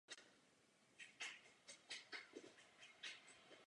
Své studenty bral každý rok na lyžařské výpravy.